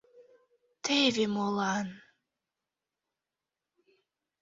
— Теве молан...